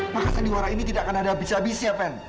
maka sendiwara ini tidak akan ada habis habisnya ven